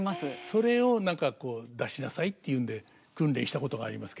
それを出しなさいっていうんで訓練したことがありますけど。